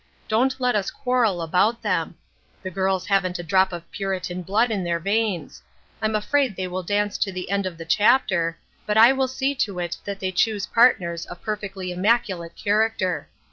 Don't let us quarrel about them. The girls haven't a drop of Puritan blood in their veins. I'm afraid they will dance to the end of the chapter, but I will see to it that they choose partners of perfectly immaculate character.